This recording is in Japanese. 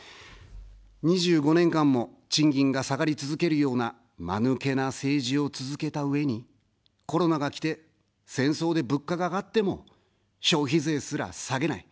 ２５年間も賃金が下がり続けるような、まぬけな政治を続けたうえに、コロナがきて、戦争で物価が上がっても、消費税すら下げない。